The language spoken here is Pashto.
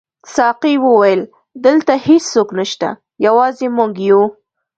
ساقي وویل: دلته هیڅوک نشته، یوازې موږ یو.